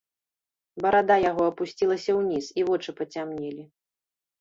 Барада яго апусцілася ўніз, і вочы пацямнелі.